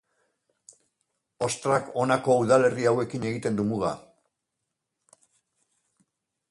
Ostrak honako udalerri hauekin egiten du muga.